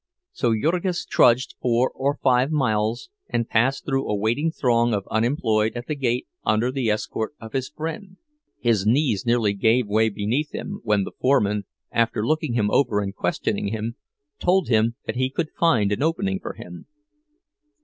So Jurgis trudged four or five miles, and passed through a waiting throng of unemployed at the gate under the escort of his friend. His knees nearly gave way beneath him when the foreman, after looking him over and questioning him, told him that he could find an opening for him.